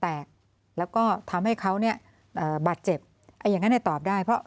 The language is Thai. แตกแล้วก็ทำให้เขาเนี่ยเอ่อบาดเจ็บไอ้อย่างนั้นเนี่ยตอบได้เพราะ